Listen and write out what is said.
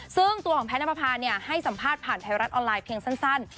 ซึ่งตัวของแพทย์นับประพาให้สัมภาษณ์ผ่านไทยรัฐออนไลน์เพียงสั้น